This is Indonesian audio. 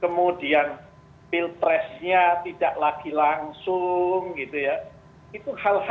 kemudian pilpresnya tidak bisa dikawal ya kemudian pilpresnya tidak bisa dikawal ya